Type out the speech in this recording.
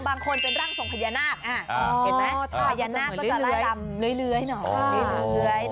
บางคนเป็นร่างส่งพญานาคเห็นไหมพญานาคก็จะร่ายรำเรื่อย